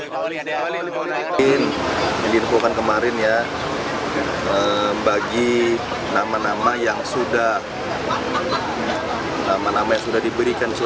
tugas sebagai calon wali kota medan dan calon gubernur